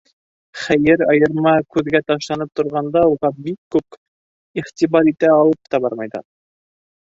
Хәйер, айырма күҙгә ташланып торғанда уға бик үк иғтибар итә һалып та бармайҙар.